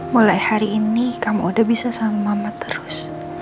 mulai hari ini kamu udah bisa sama mama terus